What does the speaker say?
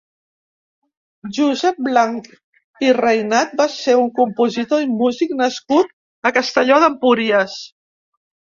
Josep Blanch i Reynalt va ser un compositor i músic nascut a Castelló d'Empúries.